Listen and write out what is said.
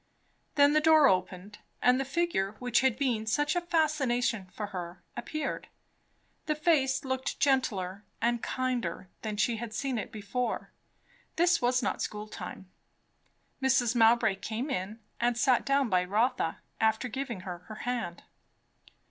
Then the door opened and the figure which had such a fascination for her appeared. The face looked gentler and kinder than she had seen it before; this was not school time. Mrs. Mowbray came in and sat down by Rotha, after giving her her hand.